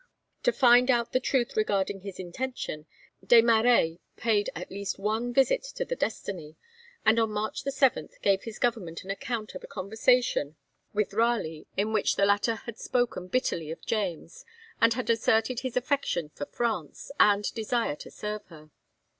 To find out the truth regarding his intention, Des Marêts paid at least one visit to the 'Destiny,' and on March 7 gave his Government an account of a conversation with Raleigh, in which the latter had spoken bitterly of James, and had asserted his affection for France, and desire to serve her.